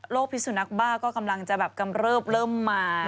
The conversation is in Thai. พิสุนักบ้าก็กำลังจะแบบกำเริบเริ่มมา